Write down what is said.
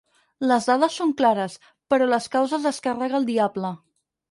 Les dades són clares, però les causes les carrega el diable.